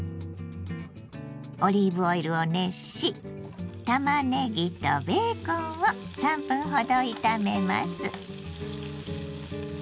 オリーブオイルを熱したまねぎとベーコンを３分ほど炒めます。